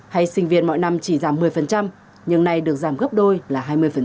hay sinh viên mọi năm chỉ giảm một mươi nhưng nay được giảm gấp đôi là hai mươi